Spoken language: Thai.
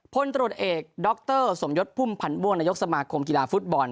พลตรวจเอกด็อคเตอร์สมยศพุ่มพันวงนายกสมาคมกีฬาฟุตบอล